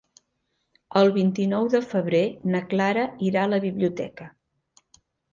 El vint-i-nou de febrer na Clara irà a la biblioteca.